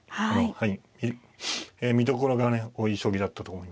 はい。